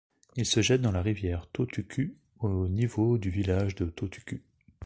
Il se jette dans la rivière Tautuku au niveau du village de Tautuku.